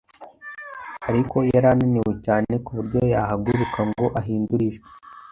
ariko yari ananiwe cyane ku buryo yahaguruka ngo ahindure ijwi